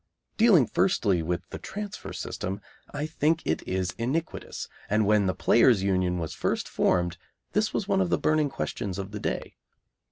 Dealing firstly with the transfer system, I think it is iniquitous, and when the Players' Union was first formed this was one of the burning questions of the day.